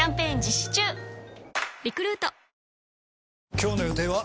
今日の予定は？